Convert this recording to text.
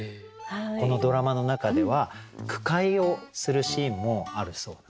このドラマの中では句会をするシーンもあるそうなんですね。